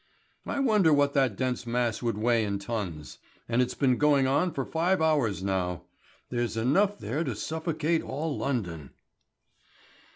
I wonder what that dense mass would weigh in tons. And it's been going on for five hours now. There's enough there to suffocate all London."